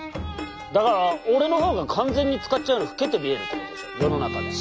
だから俺の方が完全につかっちゃんより老けて見えるってことでしょ世の中で。